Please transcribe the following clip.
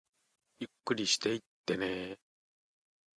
ゆっくりしていってねー